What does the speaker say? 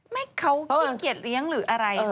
ไม่เขาขี้เกียจเลี้ยงหรืออะไร